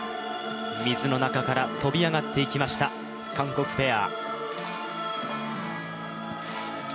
水の中から飛び上がっていきました、韓国ペア。